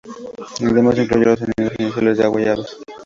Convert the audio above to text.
Además, incluyó los sonidos iniciales de agua y aves.